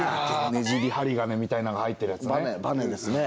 ねじり針金みたいなのが入ってるやつねバネバネですね